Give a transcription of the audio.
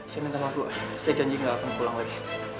saya minta maaf bu saya janji nggak akan pulang lagi